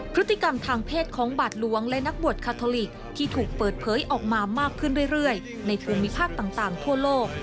พฤติกรรมทางเพศของบาทหลวงและนักบวชคาทอลิกที่ถูกเปิดเผยออกมามากขึ้นเรื่อยในภูมิภาคต่างทั่วโลก